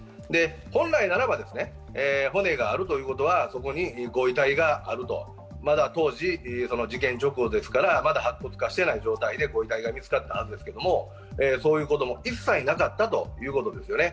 本来ならば、骨があるということはそこに、ご遺体があるとまだ当時、事件直後ですからまだ白骨化していない状態でご遺体が見つかったはずですけれども、そういうことも一切なかったということですよね。